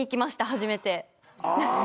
初めて。